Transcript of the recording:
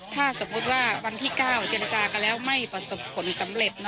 ถ้าสมมุติว่าวันที่๙เจรจากันแล้วไม่ประสบผลสำเร็จ